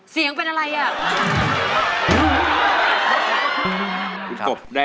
เสียงเป็นอะไรอ่ะ